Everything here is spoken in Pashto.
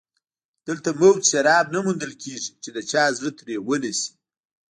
دلته مفت شراب نه موندل کېږي چې د چا زړه ترې ونشي